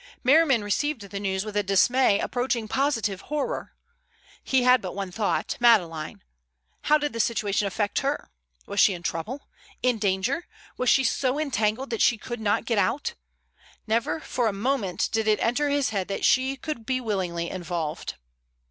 Merriman received the news with a dismay approaching positive horror. He had but one thought—Madeleine. How did the situation affect her? Was she in trouble? In danger? Was she so entangled that she could not get out? Never for a moment did it enter his head that she could be willingly involved.